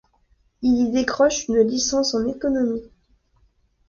Il y décroche une licence en économie.